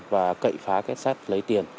và cậy phá kết sát lấy tiền